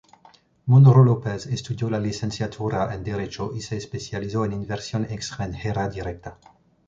Munro López estudió la licenciatura en derecho y se especializó en Inversión Extranjera Directa.